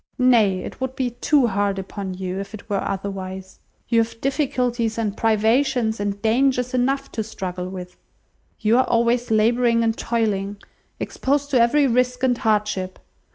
Nay, it would be too hard upon you, if it were otherwise. You have difficulties, and privations, and dangers enough to struggle with. You are always labouring and toiling, exposed to every risk and hardship.